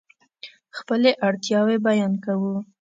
خپلې اړتیاوې بیان کوو.